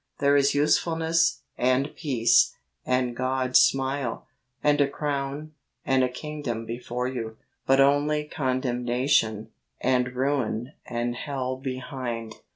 There is usefulness, and peace, and God's smile, and a crown, and a kingdom before you, but only condemnation, and ruin, and Hell behind.